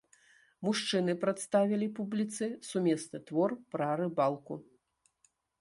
Мужчыны прадставілі публіцы сумесны твор пра рыбалку.